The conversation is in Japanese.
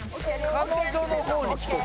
彼女の方に聞こうか。